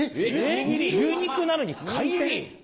牛肉なのに海鮮？